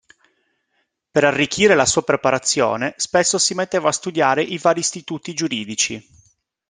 Per arricchire la sua preparazione, spesso si metteva a studiare i vari istituti giuridici.